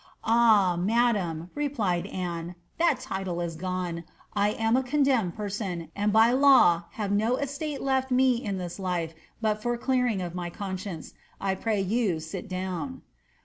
^ Ah ! madam,' replied Anne, ^ that title is gone ; I am a con demned person, and by law have no estate left me in this life, but for clearing of my conscience ; I pray you sit down.'